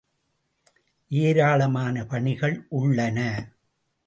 ஏராளமான பணிகள் உள்ளன.